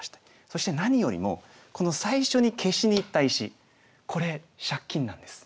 そして何よりもこの最初に消しにいった石これ借金なんです。